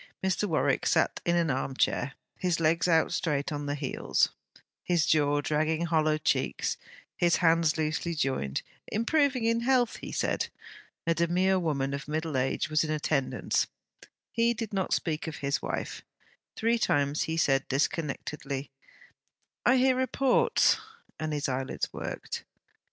Mr. Warwick sat in an arm chair, his legs out straight on the heels, his jaw dragging hollow cheeks, his hands loosely joined; improving in health, he said. A demure woman of middle age was in attendance. He did not speak of his wife. Three times he said disconnectedly, 'I hear reports,' and his eyelids worked.